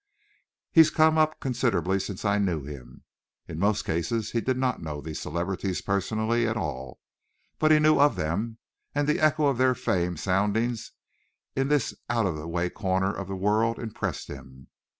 He's come up considerably since I knew him." In most cases he did not know these celebrities personally at all, but he knew of them, and the echo of their fame sounding in this out of the way corner of the world impressed him.